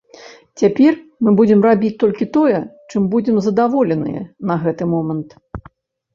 Цяпер мы будзем рабіць толькі тое, чым будзем задаволеныя на гэты момант.